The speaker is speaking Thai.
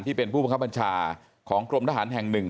ผู้เป็นผู้บังคับบัญชาของกรมทหารแห่งหนึ่ง